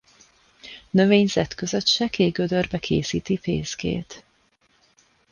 Növényzet között sekély gödörbe készíti fészkét.